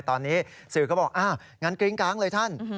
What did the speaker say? ตอนนี้สื่อก็บอกอ้าวงั้นกริ้งกลางเลยท่าน